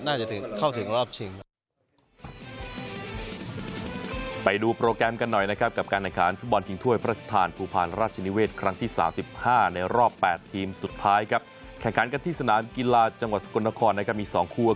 น่าจะเข้าถึงรอบชิง